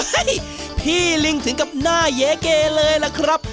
เฮ้ยพี่ลิงก์ถึงกับหน้าเย๋เกเลยละครับ